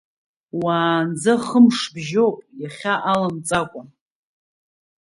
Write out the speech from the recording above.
Уаанӡа хы-мшы бжьоуп, иахьа аламҵакәа.